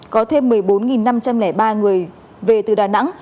có thêm một mươi bốn năm trăm linh ba người về từ đà nẵng